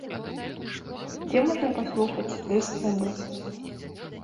Дзе можна паслухаць, дыск набыць?